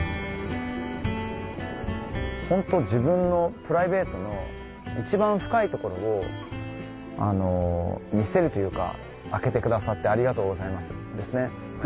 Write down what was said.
ホント自分のプライベートの一番深い所を見せるというか開けてくださってありがとうございますですね。